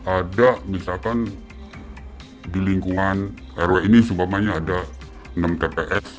ada misalkan di lingkungan rw ini sumpamanya ada enam tps